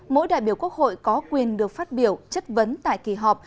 mỗi đại biểu quốc hội có quyền được phát biểu chất vấn tại kỳ họp